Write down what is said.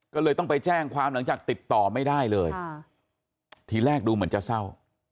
ก็เลยต้องไปแจ้งความหลังจากติดต่อไม่ได้เลยทีแรกดูเหมือนจะเศร้า